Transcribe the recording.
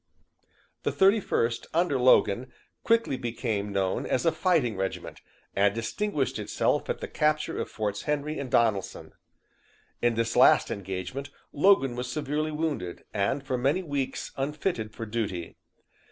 The Thirty first, under Logan, quickly became known as a fighting regiment, and distinguished itself at the capture of Forts Henry and Donelson. In this last engagement Logan was severely wounded, and for many weeks unfitted for duty.